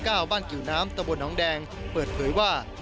ทั่วบ้านกิ่วน้ำตะบดหนองแดงเปิดเผยว่า